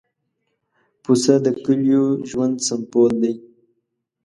پسه د کلیو ژوند سمبول دی.